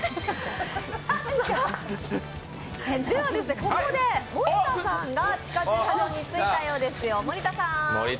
ここで森田さんが地下駐車場に着いたようです。